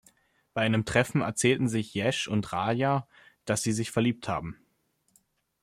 Bei einem Treffen erzählen sich Yash und Raja, dass sie sich verliebt haben.